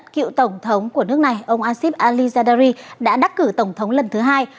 cựu tổng thống của nước này ông asib ali zardari đã đắc cử tổng thống lần thứ hai